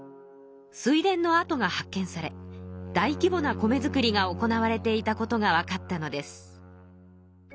水田のあとが発見され大規ぼな米作りが行われていたことがわかったのです。